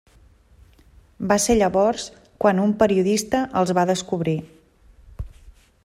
Va ser llavors quan un periodista els va descobrir.